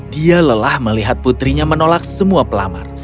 dia lelah melihat putrinya menolak semua pelamar